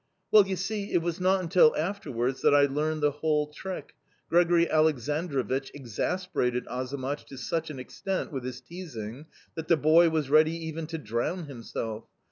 "Well, you see, it was not until afterwards that I learned the whole trick Grigori Aleksandrovich exasperated Azamat to such an extent with his teasing that the boy was ready even to drown himself.